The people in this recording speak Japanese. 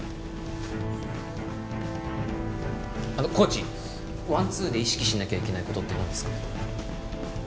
コーチワンツーで意識しなきゃいけない事ってなんですか？